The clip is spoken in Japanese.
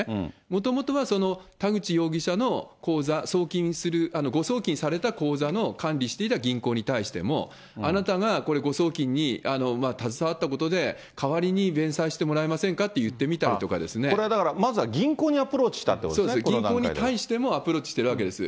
もともとは田口容疑者の口座、送金する、誤送金された口座の管理していた銀行に対しても、あなたがこれ、誤送金に携わったことで代わりに弁済してもらえませんかと言ってこれだからまずは銀行にアプそうです、銀行に対してもアプローチしてるわけです。